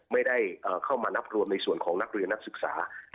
ไม่ได้เข้ามานับรวมในส่วนของนักเรียนนักศึกษา